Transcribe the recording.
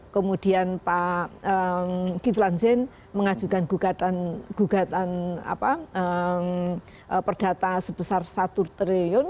kemudian pak kiflan zain mengajukan gugatan perdata sebesar satu triliun